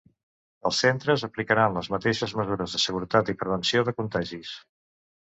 Els centres aplicaran les mateixes mesures de seguretat i prevenció de contagis.